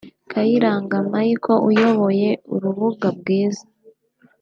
Kayiranga Mecky uyobora urubuga bwiza